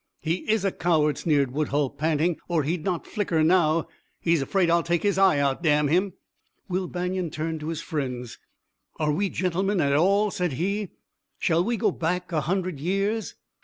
"He is a coward," sneered Woodhull, panting, "or he'd not flicker now. He's afraid I'll take his eye out, damn him!" Will Banion turned to his friends. "Are we gentlemen at all?" said he. "Shall we go back a hundred years?"